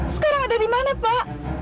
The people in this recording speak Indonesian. sekarang ada dimana pak